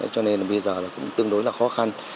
cho nên bây giờ tương đối là khó khăn